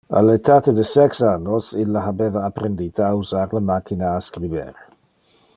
Al etate de sex annos ille habeva apprendite a usar le machina a scriber.